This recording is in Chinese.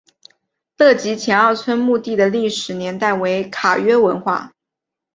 极乐前二村墓地的历史年代为卡约文化。